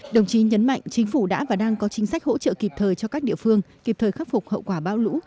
đồng chí nhấn mạnh chính phủ đã và đang có chính sách hỗ trợ kịp thời cho các địa phương kịp thời khắc phục hậu quả bão lũ